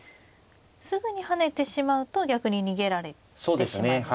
すぐに跳ねてしまうと逆に逃げられてしまうんですか。